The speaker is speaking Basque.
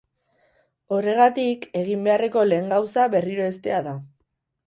Horregatik, egin beharreko lehen gauza berriro heztea da.